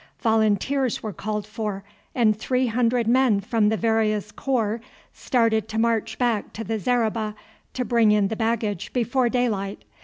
Volunteers were called for, and three hundred men from the various corps started to march back to the zareba to bring in the baggage before daylight.